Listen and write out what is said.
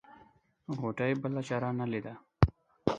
غوټۍ بله چاره نه ليده.